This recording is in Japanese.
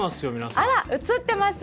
あら映ってます。